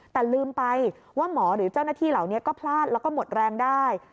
แต่ลืมไปว่าหมอหรือเจ้าหน้าที่เหล่านี้ก็พลาดแล้วก็หมดแรงได้